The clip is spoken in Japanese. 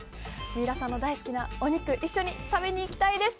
水卜さんの大好きなお肉一緒に食べに行きたいです。